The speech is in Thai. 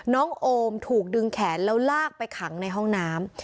โอมถูกดึงแขนแล้วลากไปขังในห้องน้ำ